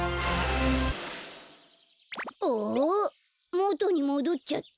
もとにもどっちゃった！